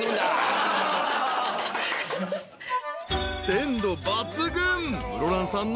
［鮮度抜群］